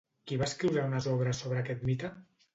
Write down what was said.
Qui va escriure unes obres sobre aquest mite?